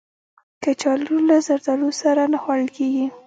کچالو له زردالو سره نه خوړل کېږي